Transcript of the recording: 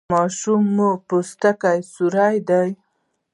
ماشوم مو پوستکی سور دی؟